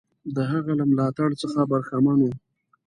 د هغه له ملاتړ څخه برخمن وو.